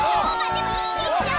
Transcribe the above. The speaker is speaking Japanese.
でもいいでしょう！